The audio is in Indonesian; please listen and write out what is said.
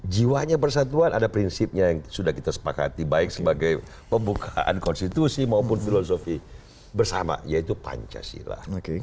jiwanya persatuan ada prinsipnya yang sudah kita sepakati baik sebagai pembukaan konstitusi maupun filosofi bersama yaitu pancasila